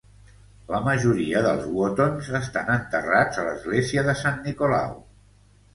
La majoria dels Wottons estan enterrats a l'església de Sant Nicolau.